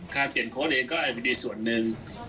การเปลี่ยนโค้ดเองก็อาจจะเป็นดีส่วนหนึ่ง